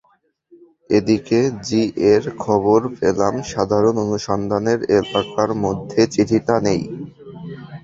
এদিকে জি-এর কাছে খবর পেলাম সাধারণ অনুসন্ধানের এলাকার মধ্যে চিঠিটা নেই।